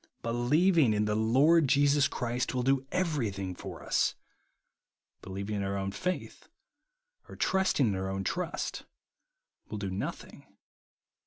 Believing in the Lord Jesus Christ will do everything for us ; be lieving in our own faith, or trusting in our own trust, will do nothing.